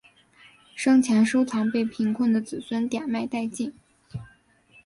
生前收藏被贫困的子孙典卖殆尽。